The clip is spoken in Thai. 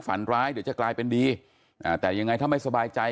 ฝันร้ายเดี๋ยวจะกลายเป็นดีอ่าแต่ยังไงถ้าไม่สบายใจ